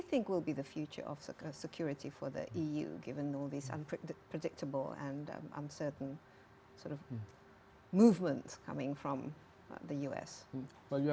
vincent kita akan beristirahat sedikit tapi kita akan lanjut